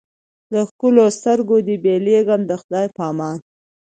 له ښکلیو سترګو دي بېلېږمه د خدای په امان